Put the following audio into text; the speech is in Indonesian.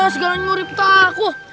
segala nyuri petaku